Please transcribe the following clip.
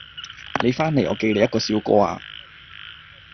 你翻嚟我記你一個小過呀